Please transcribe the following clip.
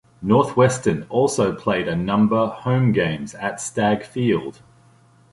Northwestern also played a number home games at Stagg Field.